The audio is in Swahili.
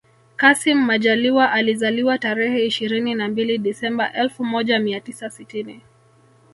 Kassim Majaliwa alizaliwa tarehe ishirini na mbili Disemba elfu moja mia tisa sitini